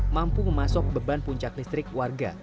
mampu memasok beban puncak listrik warga